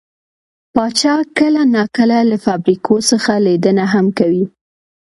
پاچا کله نا کله له فابريکو څخه ليدنه هم کوي .